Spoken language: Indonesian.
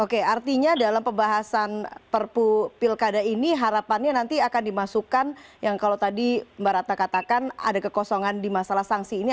oke artinya dalam pembahasan perpu pilkada ini harapannya nanti akan dimasukkan yang kalau tadi mbak ratna katakan ada kekosongan di masalah sanksi ini